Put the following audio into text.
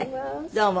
どうも。